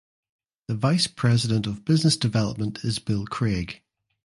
The vice president of business development is Bill Craig.